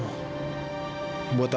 buat kamu memanjakan diri